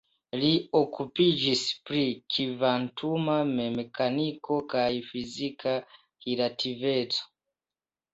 Li okupiĝis pri kvantuma mekaniko kaj fizika relativeco.